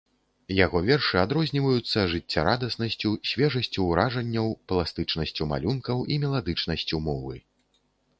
Яго вершы адрозніваюцца жыццярадаснасцю, свежасцю уражанняў, пластычнасцю малюнкаў і меладычнасцю мовы.